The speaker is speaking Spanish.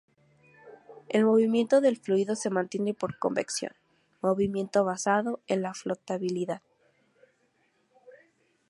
El movimiento del fluido se mantiene por convección —movimiento basado en la flotabilidad—.